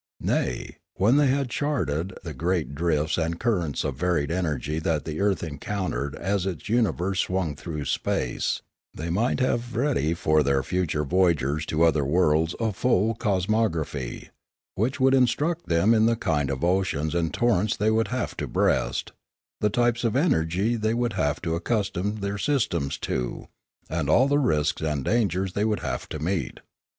Nay, when they had charted the great drifts and currents of varied energy that the earth encountered as its universe swung through space, they might have ready for their future voyagers to other worlds a full cosmography, which would instruct them in the kind of oceans and torrents they would have to breast, the types of energy they would have to accustom their systems to, and all the risks and dangers they would have to meet.